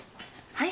はい。